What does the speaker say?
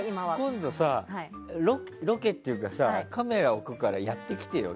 今度さ、ロケっていうかさカメラ置くからやってきてよ